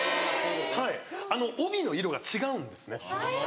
はいあの帯の色が違うんですね。